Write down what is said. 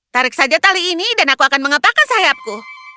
tarik saja tali ini dan aku akan mengapakan sayapku